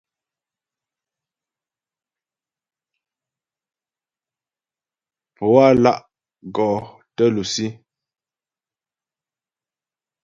Pǒ á lá' gɔ tə lusí.